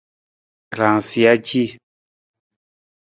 Raansija ci.